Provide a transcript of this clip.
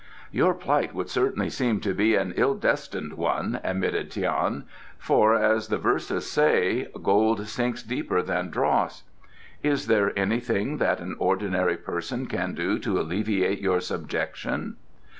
"Your plight would certainly seem to be an ill destined one," admitted Tian, "for, as the Verses say: 'Gold sinks deeper than dross.' Is there anything that an ordinary person can do to alleviate your subjection?"